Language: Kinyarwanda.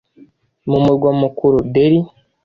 mu murwa mukuru Delhi.